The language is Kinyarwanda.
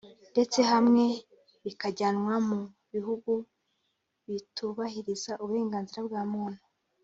ndetse hamwe bikajyanwa mu bihugu bitubahiriza uburenganzira bwa muntu